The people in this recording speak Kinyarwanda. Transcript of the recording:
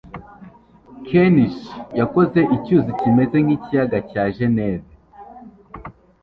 Ken'nichi yakoze icyuzi kimeze nkikiyaga cya Geneve.